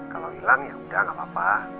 kalau hilang yaudah gak apa apa